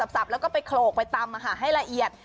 สับแล้วก็ไปโขลกไปตำให้ละเอียด